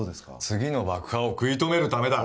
次の爆破を食い止めるためだ